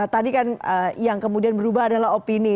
tadi kan yang kemudian berubah adalah opini